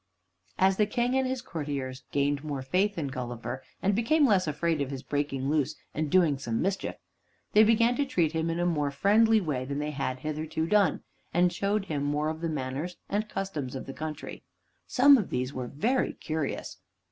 As the King and his courtiers gained more faith in Gulliver, and became less afraid of his breaking loose and doing some mischief, they began to treat him in a more friendly way than they had hitherto done, and showed him more of the manners and customs of the country. Some of these were very curious.